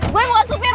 gue bukan supir